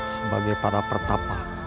sebagai para pertapa